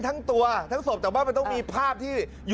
หาวหาวหาวหาวหาวหาวหาวหาวหาว